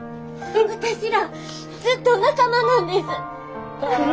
私らずっと仲間なんです。